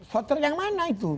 voter yang mana itu